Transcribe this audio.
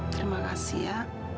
terima kasih ya